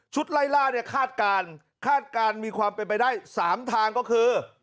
ไล่ล่าเนี่ยคาดการณ์คาดการณ์มีความเป็นไปได้๓ทางก็คือ